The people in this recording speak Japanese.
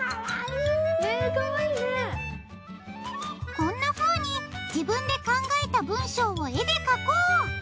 こんなふうに自分で考えた文章を絵で描こう。